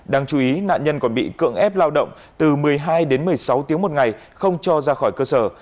đáng chú ý nạn nhân còn bị cưỡng ép lao động từ một mươi hai đến một mươi sáu tiếng một ngày không cho ra khỏi cơ sở